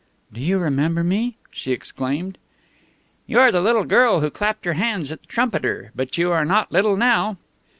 "Do you remember me?" she exclaimed. "You are the little girl who clapped her hands at the trumpeter, but you are not little now."